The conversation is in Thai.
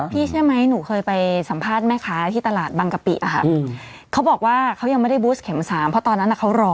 ใช่ไหมหนูเคยไปสัมภาษณ์แม่ค้าที่ตลาดบางกะปิค่ะเขาบอกว่าเขายังไม่ได้บูสเข็มสามเพราะตอนนั้นเขารอ